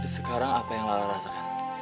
sekarang apa yang lala rasakan